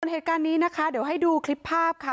เหตุการณ์นี้นะคะเดี๋ยวให้ดูคลิปภาพค่ะ